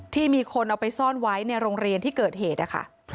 ที่มีคนเอาไปซ่อนไว้ในโรงเรียนที่เกิดเหตุนะคะ